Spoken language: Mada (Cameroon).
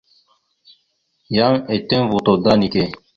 Yan eteŋ voto da neke.